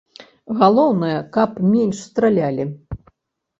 Галоўнае, каб менш стралялі.